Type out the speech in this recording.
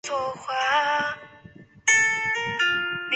龙山街道是中国黑龙江省鹤岗市工农区下辖的一个街道。